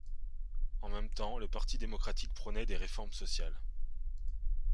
En même temps, le Parti démocratique prônait des réformes sociales.